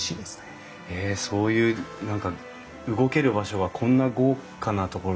そういう何か動ける場所がこんな豪華な所だと。